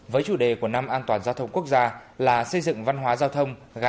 với chủ đề của năm an toàn giao thông quốc gia là xây dựng văn hóa giao thông